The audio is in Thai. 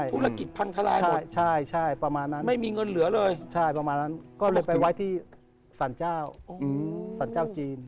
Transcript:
ธุรกิจพังทลายหมดใช่ประมาณนั้นไม่มีเงินเหลือเลยใช่ประมาณนั้นก็เลยไปไว้ที่สรรเจ้าสรรเจ้าจีน